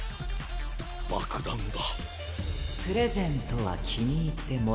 ⁉爆弾だ